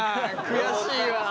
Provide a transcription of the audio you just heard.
悔しいわ。